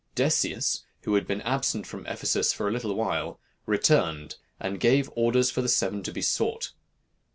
Decius, who had been absent from Ephesus for a little while, returned, and gave orders for the seven to be sought.